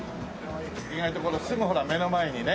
意外とすぐほら目の前にね。